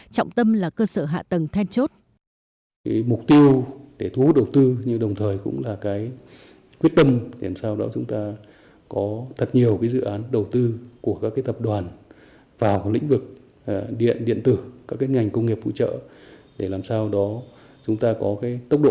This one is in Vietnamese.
trọng tâm là cơ sở hạ tầng then chốt